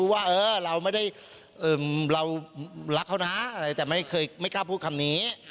ว่าเราไม่ได้รักเขานะแต่ไม่กล้าพูดคำนี้